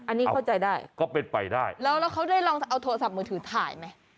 อันนี้เข้าใจได้ก็เป็นไปได้แล้วแล้วเขาได้ลองเอาโทรศัพท์มือถือถ่ายไหม